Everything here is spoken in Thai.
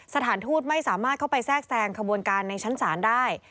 สถานทูตไม่สามารถเข้าไปแทรกแซงขบวนการในชั้นศาลได้